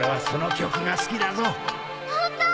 ホント？